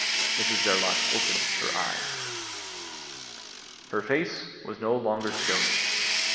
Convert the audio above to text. Mrs Verloc opened her eyes. Her face was no longer stony.